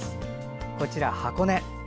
こちら、箱根。